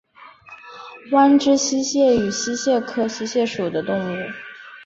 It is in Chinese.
弯肢溪蟹为溪蟹科溪蟹属的动物。